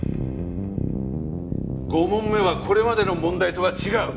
５問目はこれまでの問題とは違う！